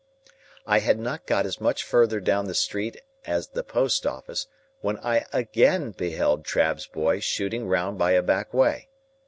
I had not got as much further down the street as the post office, when I again beheld Trabb's boy shooting round by a back way.